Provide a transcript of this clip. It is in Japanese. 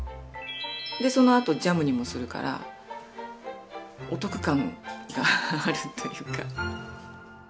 でそのあとジャムにもするからお得感があるというか。